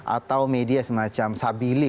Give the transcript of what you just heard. atau media semacam sabili